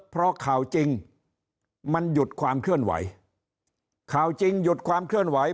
เพราะข่าวจริงมันหยุดความเคลื่อนไหวข่าวจริงหยุดความเคลื่อนไหว